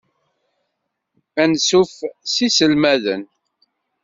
Ansuf s yiselmaden.